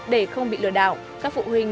để không bị lừa đảo các phụ huynh